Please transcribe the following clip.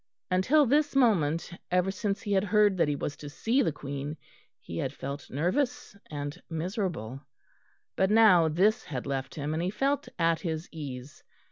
Until this moment, ever since he had heard that he was to see the Queen, he had felt nervous and miserable; but now this had left him, and he felt at his ease.